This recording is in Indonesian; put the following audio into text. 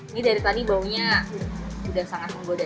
ini dari tadi baunya sudah sangat menggoda